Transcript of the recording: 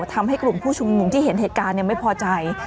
ทำให้กลุ่มผู้ชุมนุมที่เห็นเหตุการณ์ไม่พอใจ